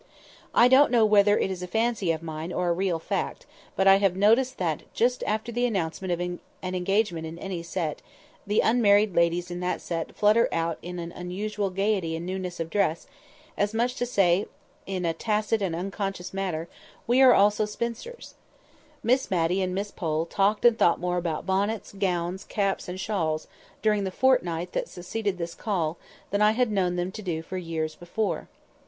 I don't know whether it is a fancy of mine, or a real fact, but I have noticed that, just after the announcement of an engagement in any set, the unmarried ladies in that set flutter out in an unusual gaiety and newness of dress, as much as to say, in a tacit and unconscious manner, "We also are spinsters." Miss Matty and Miss Pole talked and thought more about bonnets, gowns, caps, and shawls, during the fortnight that succeeded this call, than I had known them do for years before.